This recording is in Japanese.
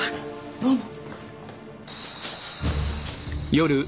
どうも。